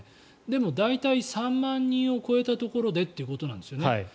でも、大体３万人を超えたところでということなんですよね。